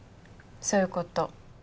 そういうこと。